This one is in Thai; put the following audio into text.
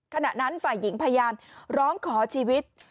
ขณะนั้นฝ่ายหญิงพยายามร้องขอชีวิต